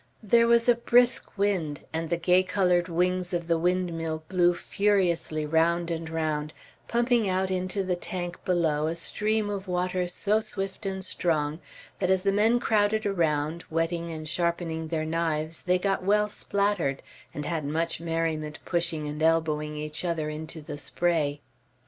There was a brisk wind, and the gay colored wings of the windmill blew furiously round and round, pumping out into the tank below a stream of water so swift and strong, that as the men crowded around, wetting and sharpening their knives, they got well spattered, and had much merriment, pushing and elbowing each other into the spray.